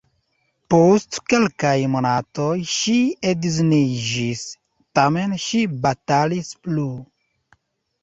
Post kelkaj monatoj ŝi edziniĝis, tamen ŝi batalis plu.